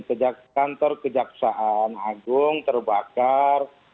kantor kejaksaan agung terbakar